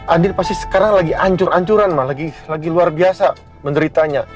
adit pasti sekarang lagi ancur ancuran malah lagi luar biasa menderitanya